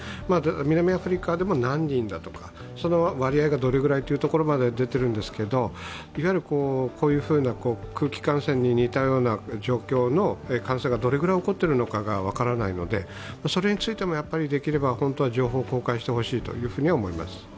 南アフリカでも何人だとか、割合がどれくらいまでは出ているんですが、こういうふうな空気感染に似たような状況の感染がどれぐらい起こっているのかが分からないのでそれについてもできれば情報公開してほしいと思います。